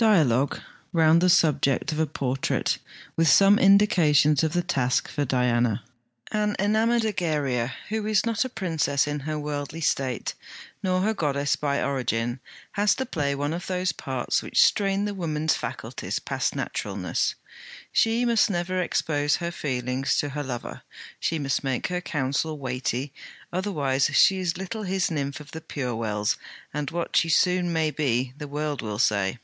DIALOGUE ROUND THE SUBJECT OF A PORTRAIT, WITH SOME INDICATIONS OF THE TASK FOR DIANA An enamoured Egeria who is not a princess in her worldly state nor a goddess by origin has to play one of those parts which strain the woman's faculties past naturalness. She must never expose her feelings to her lover; she must make her counsel weighty otherwise she is little his nymph of the pure wells, and what she soon may be, the world will say.